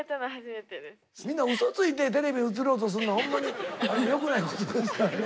みんなうそついてテレビ映ろうとすんのほんまに良くないことですからね。